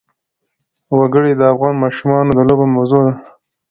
وګړي د افغان ماشومانو د لوبو موضوع ده.